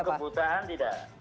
kalau kebutaan tidak